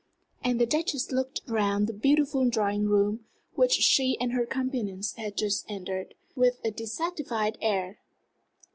And the Duchess looked round the beautiful drawing room, which she and her companions had just entered, with a dissatisfied air.